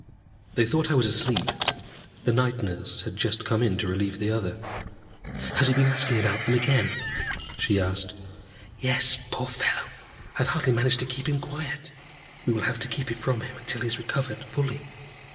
They thought I was asleep. The night nurse had just come in to relieve the other. "Has he been asking about them again?" she asked. "Yes, poor fellow. I have hardly managed to keep him quiet." "We will have to keep it from him until he is recovered fully."